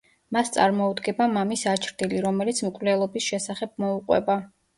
მას წარმოუდგება მამის აჩრდილი, რომელიც მკვლელობის შესახებ მოუყვება.